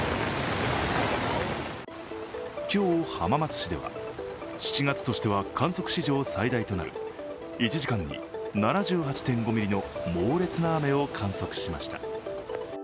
今日、浜松市では７月としては観測史上最大となる１時間に７８．５ミリの猛烈な雨を観測しました。